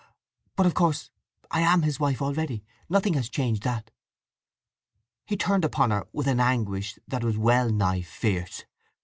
But of course I am his wife already. Nothing has changed that." He turned upon her with an anguish that was well nigh fierce.